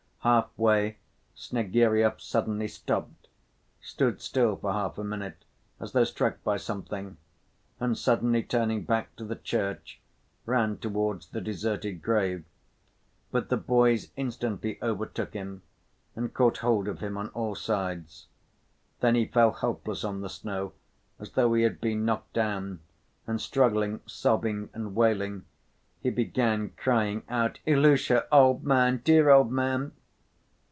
Half‐way, Snegiryov suddenly stopped, stood still for half a minute, as though struck by something, and suddenly turning back to the church, ran towards the deserted grave. But the boys instantly overtook him and caught hold of him on all sides. Then he fell helpless on the snow as though he had been knocked down, and struggling, sobbing, and wailing, he began crying out, "Ilusha, old man, dear old man!"